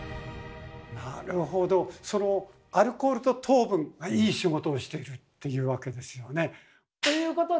なるほどそのアルコールと糖分がいい仕事をしているっていうわけですよね。ということで！